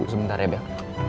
tunggu sebentar ya bel